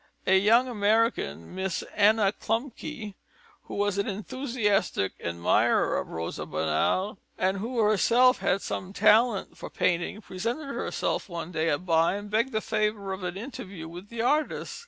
A young American, Miss Anna Klumpke, who was an enthusiastic admirer of Rosa Bonheur, and who herself had some talent for painting, presented herself one day at By and begged the favour of an interview with the artist.